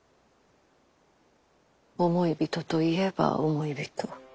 思い人と言えば思い人。